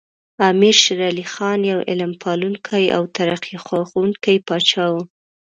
امیر شیر علی خان یو علم پالونکی او ترقي خوښوونکی پاچا و.